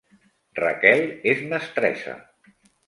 Raquel és mestressa